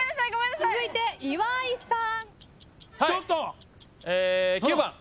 続いて岩井さん。